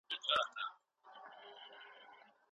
پدې اړه رسول اکرم صلی الله عليه وسلم فرمايلي دي.